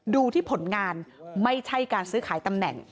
ดูที่ผลงานไม่ใช่การซื้อขายตำแหน่ง